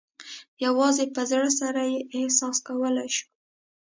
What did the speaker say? یوازې په زړه سره یې احساس کولای شو.